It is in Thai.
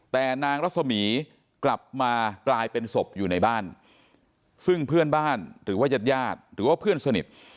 แต่นางรัศมีกลับมากลายเป็นศพอยู่ในบ้านซึ่งเพื่อนบ้านหรือว่าญาติญาติหรือว่าเพื่อนสนิท